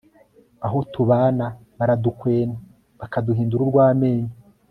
abo tubana bakadukwena, bakaduhindura urw'amenyo